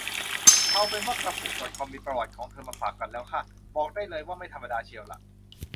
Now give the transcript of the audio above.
เอาเป็นว่ากระปุกดอทคอมมีประวัติของเธอมาฝากกันแล้วค่ะ บอกได้เลยว่าไม่ธรรมดาเชียวล่ะ